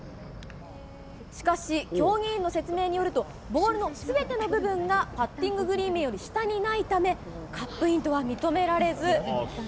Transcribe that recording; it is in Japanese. しかし、競技員の説明によると、ボールのすべての部分が、パッティンググリーン面より下にないため、カップインとは認められず。